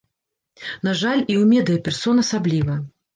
На жаль, і ў медыя-персон асабліва.